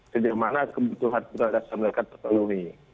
sejauh mana kebetulan berada di sana mereka terlalui